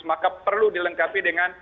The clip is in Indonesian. maka perlu dilengkapi dengan